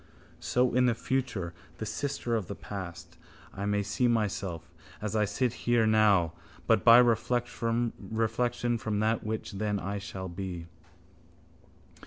So in the future, the sister of the past, I may see myself as I sit here now but by reflection from that which then I shall be.